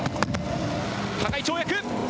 高い跳躍。